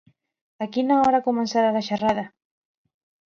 A quina hora començarà la xerrada?